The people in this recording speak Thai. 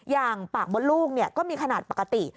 อย่างปากมดลูกก็มีขนาดปกติ